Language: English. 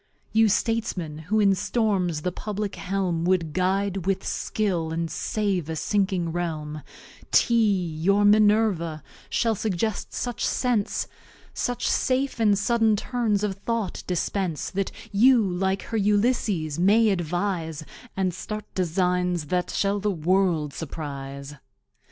You statesmen, who in Storms the Publick Helm Wou'd Guide with Skill, and Save a sinking Realm, TEA, your Minerva, shall suggest such Sense, Such safe and sudden Turns of Thought dispense, That you, like her Ulysses, may Advise, And start Designs that shall the World surprise.